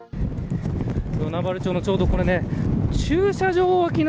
与那原町のちょうど、駐車場脇の